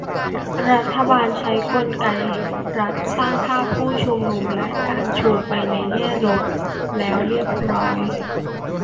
รัฐบาลใช้กลไกรัฐสร้างภาพผู้ชุมนุมและการชุมไปในแง่ลบแล้วเรียบร้อย